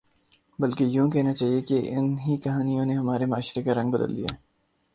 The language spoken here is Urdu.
بلکہ یوں کہنا چاہیے کہ ان ہی کہانیوں نے ہمارے معاشرے کا رنگ بدل دیا ہے